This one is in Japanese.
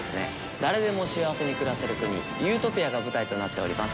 誰でも幸せに暮らせる国ユートピアが舞台となっております。